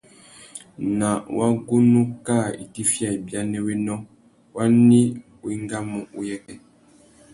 Ná wagunú kā itifiya ibianéwénô, wani wá engamú uyêkê? .